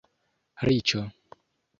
Riĉo